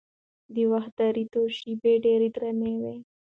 د وخت د درېدو شېبې ډېرې درنې وي.